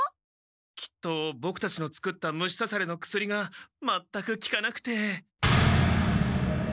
きっとボクたちの作った虫さされの薬がまったくきかなくて。